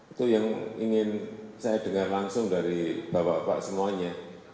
itu yang ingin saya dengar langsung dari bapak bapak semuanya